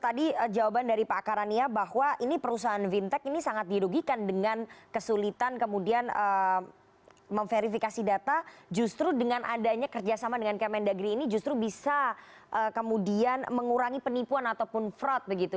jadi jawaban dari pak karania bahwa ini perusahaan vintech ini sangat didugikan dengan kesulitan kemudian memverifikasi data justru dengan adanya kerjasama dengan kmn daggeri ini justru bisa kemudian mengurangi penipuan ataupun fraud begitu